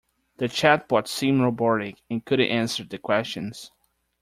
The chatbot seemed robotic and couldn't answer the questions.